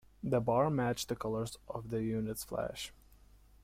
The bar matched the colors of the unit's flash.